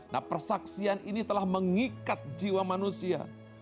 nah persaksian ini telah mengikat jiwa manusia